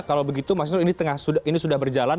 kalau begitu mas yunus ini sudah berjalan